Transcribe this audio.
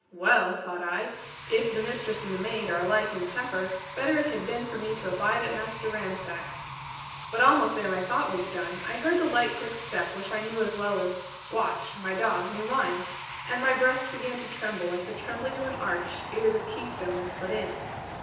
'Well,' thought I, 'if the mistress and the maid are alike in temper, better it had been for me to abide at Master Ramsack's.' But almost ere my thought was done, I heard the light quick step which I knew as well as 'Watch,' my dog, knew mine; and my breast began to tremble, like the trembling of an arch ere the keystone is put in.